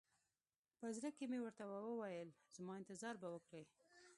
په زړه کښې مې ورته وويل زما انتظار به وکړې.